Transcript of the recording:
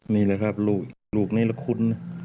นี่แหละครับลูกนี้ละคุ้น